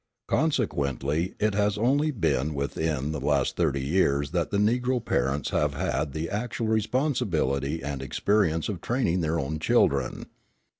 Consequently, it has only been within the last thirty years that the Negro parents have had the actual responsibility and experience of training their own children.